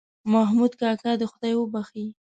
محمود کاکا دې خدای وبښې.